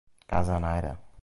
Casanayda!